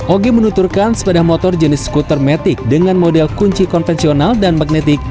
oge menuturkan sepeda motor jenis skuter matic dengan model kunci konvensional dan magnetik